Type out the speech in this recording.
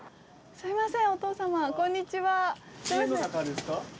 すいません！